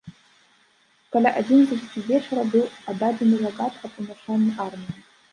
Каля адзінаццаці вечара быў аддадзены загад аб умяшанні арміі.